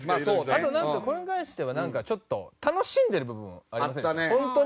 あとなんかこれに関してはなんかちょっと楽しんでる部分ありませんでした？